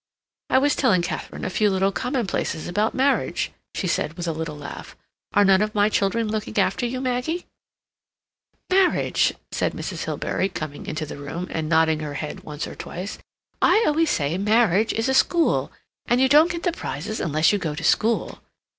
"I was telling Katharine a few little commonplaces about marriage," she said, with a little laugh. "Are none of my children looking after you, Maggie?" "Marriage," said Mrs. Hilbery, coming into the room, and nodding her head once or twice, "I always say marriage is a school. And you don't get the prizes unless you go to school.